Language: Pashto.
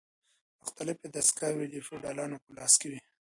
مختلفې دستګاوې د فیوډالانو په لاس کې وې.